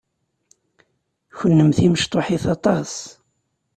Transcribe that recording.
Kenemti mecṭuḥit aṭas.